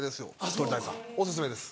鳥谷さんオススメです。